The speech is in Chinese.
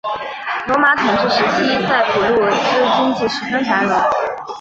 罗马统治时期塞浦路斯经济十分繁荣。